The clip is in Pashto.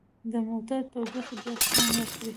د موټر تودوخې ډېر خوند وکړ.